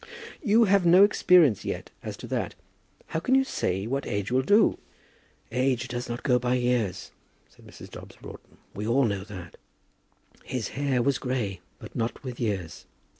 "You have no experience yet as to that. How can you say what age will do?" "Age does not go by years," said Mrs. Dobbs Broughton. "We all know that. 'His hair was grey, but not with years.'